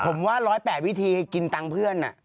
ผมว่า๑๐๘วิธีกินตังค์เพื่อน